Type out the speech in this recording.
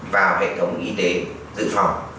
vào hệ thống y tế dự phòng